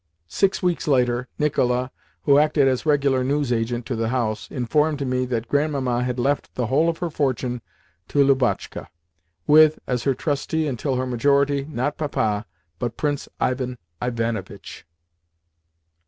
Six weeks later, Nicola—who acted as regular news agent to the house—informed me that Grandmamma had left the whole of her fortune to Lubotshka, with, as her trustee until her majority, not Papa, but Prince Ivan Ivanovitch!